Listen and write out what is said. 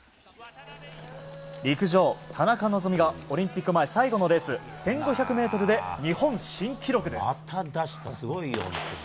陸上、田中希実がオリンピック前最後のレース１５００ｍで日本新記録です。